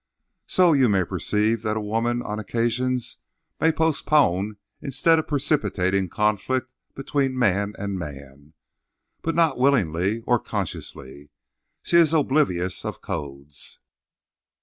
So, you may perceive that woman, on occasions, may postpone instead of precipitating conflict between man and man. But not willingly or consciously. She is oblivious of codes.